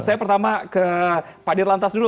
saya pertama ke pak dirlantas dulu